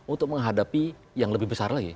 untuk menghadapi yang lebih besar lagi